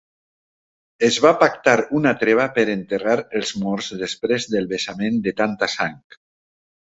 Es va pactar una treva per enterrar els morts després del vessament de tanta sang.